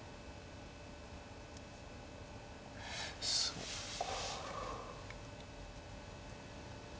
そっか。